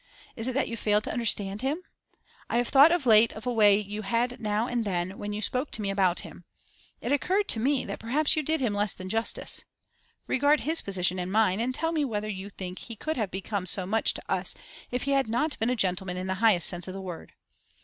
Is it that you failed to understand him? I have thought of late of a way you had now and then when you spoke to me about him; it has occurred to me that perhaps you did him less than justice. Regard his position and mine, and tell me whether you think he could have become so much to us if he had not been a gentleman in the highest sense of the word.